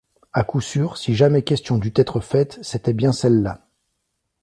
À coup sûr, si jamais question dut être faite, c’était bien celle-là!